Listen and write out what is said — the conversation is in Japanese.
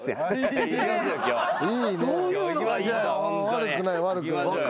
悪くない悪くない。